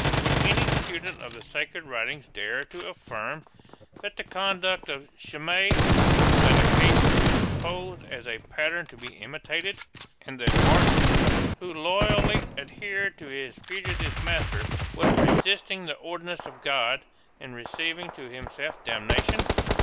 Would any student of the sacred writings dare to affirm that the conduct of Shimei on that occasion was proposed as a pattern to be imitated, and that Barzillai, who loyally adhered to his fugitive master, was resisting the ordinance of God, and receiving to himself damnation?